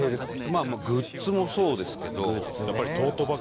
グッズもそうですけど。